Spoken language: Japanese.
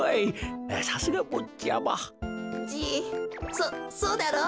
そそうだろう？